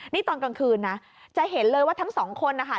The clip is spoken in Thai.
นี่ตอนกลางคืนนะจะเห็นเลยว่าทั้งสองคนนะคะ